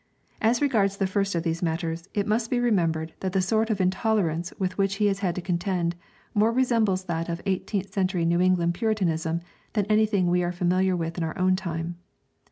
As regards the first of these matters, it must be remembered that the sort of intolerance with which he has had to contend more resembles that of eighteenth century New England puritanism than anything we are familiar with in our own time.